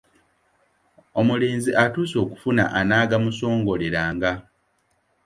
Omulenzi atuuse okufuna anaagamusongoleranga.